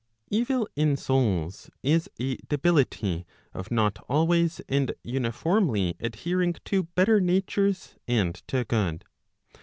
Evil in souls is a debility of not always and uniformly adhering to better natures, and to good.